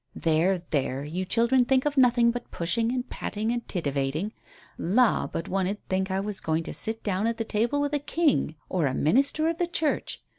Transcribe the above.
"There, there; you children think of nothing but pushing and patting and tittivating. La, but one 'ud think I was going to sit down at table with a King or a Minister of the Church.